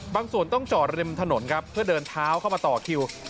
ส่วนต้องจอดริมถนนครับเพื่อเดินเท้าเข้ามาต่อคิว